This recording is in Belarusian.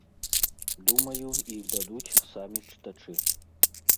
Думаю, іх дадуць самі чытачы.